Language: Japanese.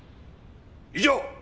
以上！